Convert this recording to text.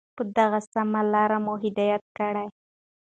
په دغي سمي لار مو هدايت كړې